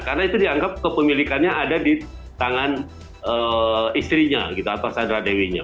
karena itu dianggap kepemilikannya ada di tangan istrinya atau sandra dewinya